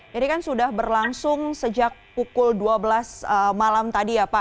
jadi kan sudah berlangsung sejak pukul dua belas malam tadi ya pak